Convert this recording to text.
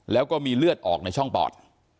แล้วก็มีเลือดออกในช่องปอด